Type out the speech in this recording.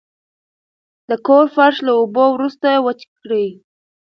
د کور فرش له اوبو وروسته وچ کړئ.